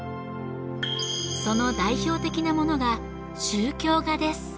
その代表的なものが宗教画です